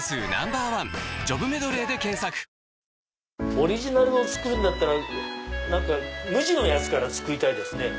オリジナルを作るんだったら無地のやつから作りたいですね。